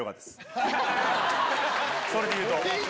それでいうと。